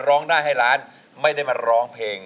ร้องได้ให้ล้านไม่ได้มาร้องเพลง